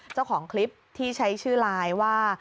เจ้าของคลิปที่ใช้ชื่อไลน์ว่า